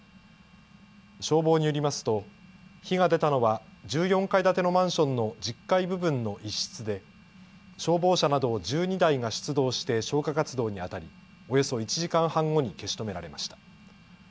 消防によりますと火が出たのは１４階建てのマンションの１０階部分の一室で消防車など１２台が出動して消火活動にあたり、およそ１時間半後に消し止められました。